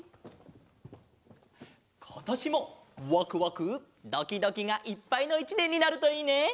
ことしもワクワクドキドキがいっぱいの１ねんになるといいね！